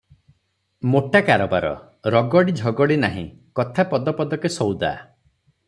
ମୋଟା କାରବାର, ରଗଡ଼ି ଝଗଡ଼ି ନାହିଁ; କଥା ପଦ ପଦକେ ସଉଦା ।